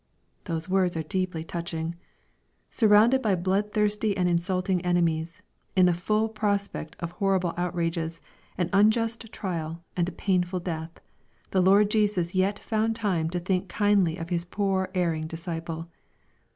Those words are deeply touching ! Surrounded by blood thirsty and insulting enemies, in the full prospect of horri ble outrages, an unjust trial, and a painfuLdeath, the Lord Jesus yet found time to think kindly of His poor erring disciple.